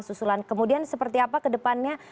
susulan kemudian seperti apa kedepannya